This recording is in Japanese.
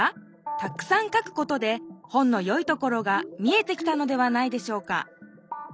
たくさん書くことで本のよいところが見えてきたのではないでしょうか。